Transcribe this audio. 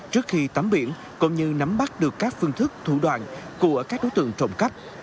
trước khi tắm biển cũng như nắm bắt được các phương thức thủ đoạn của các đối tượng trộm cắp